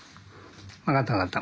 分かった分かった